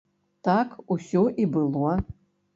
Так усё і было.